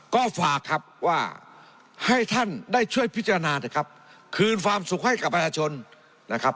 ก็ฝากครับว่าให้ท่านได้ช่วยพิจารณานะครับคืนความสุขให้กับประชาชนนะครับ